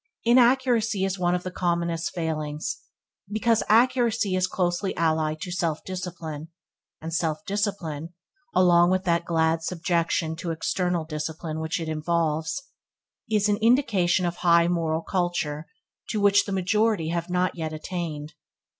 Inaccuracy is one of the commonest failings, because accuracy is closely allied to self discipline, and self discipline, along with that glad subjection to external discipline which it involves, is an indication of high moral culture to which the majority have not yet attained.